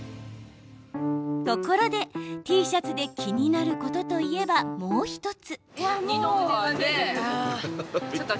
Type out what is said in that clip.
ところでＴシャツで気になることといえば、もう１つ。